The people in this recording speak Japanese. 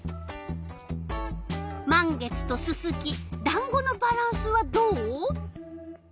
満月とススキだんごのバランスはどう？